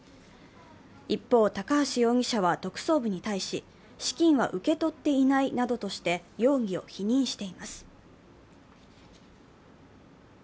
一方、高橋容疑者は特捜部に対し、資金は受け取っていないなどとして容疑を否認しています。